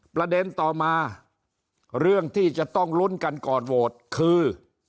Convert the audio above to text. ประเด็นต่อมาเรื่องที่จะต้องลุ้นกันก่อนโหวตคือ